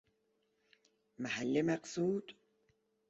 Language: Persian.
محل مقصود